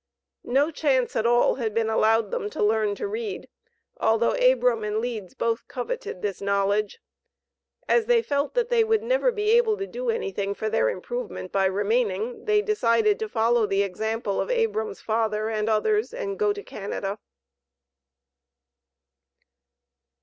No chance at all had been allowed them to learn to read, although Abram and Leeds both coveted this knowledge. As they felt that they would never be able to do anything for their improvement by remaining, they decided to follow the example of Abram's father and others and go to Canada.